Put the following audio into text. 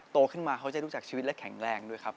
โตขึ้นมาเขาจะรู้จักชีวิตและแข็งแรงด้วยครับ